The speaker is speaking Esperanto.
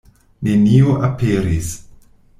Nenio aperis.